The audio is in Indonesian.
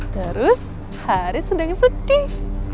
terus haris sedang sedih